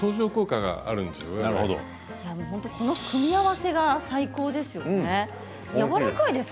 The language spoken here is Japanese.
組み合わせが最高ですよね。